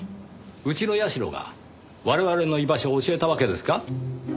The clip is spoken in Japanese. うちの社が我々の居場所を教えたわけですか？